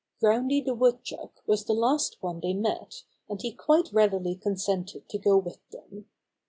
Groundy the Woodchuck was the last one they met, and he quite readily consented to go with them.